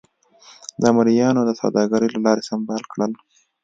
د مریانو د سوداګرۍ له لارې سمبال کړل.